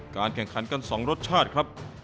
การแข่งขันกัน๒รสชาติครับ